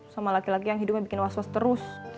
sama laki laki yang hidupnya bikin was was terus